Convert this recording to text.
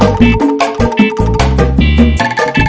habis teleponan sama temen